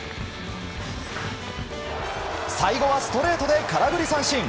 最後はストレートで空振り三振。